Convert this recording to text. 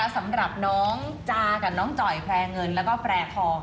สำหรับน้องจากับน้องจ่อยแพร่เงินแล้วก็แพร่ทอง